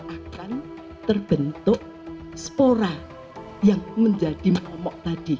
akan terbentuk spora yang menjadi momok tadi